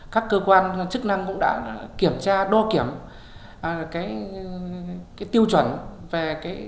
các cơ quan chức năng cũng đã kiểm tra đô kiểm tiêu chuẩn về